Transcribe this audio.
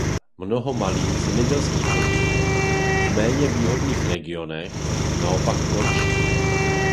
Mnoho malých zemědělských podniků v méně výhodných regionech naopak končí.